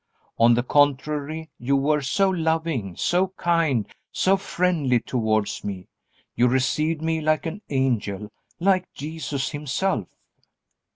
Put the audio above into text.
On the contrary, you were so loving, so kind, so friendly towards me, you received me like an angel, like Jesus Himself."